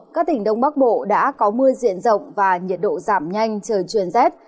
các tỉnh đông bắc bộ đã có mưa diện rộng và nhiệt độ giảm nhanh trời chuyển rét